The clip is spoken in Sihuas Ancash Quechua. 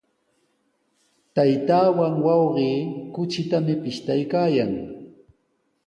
Taytaawan wawqi kuchitami pishtaykaayan.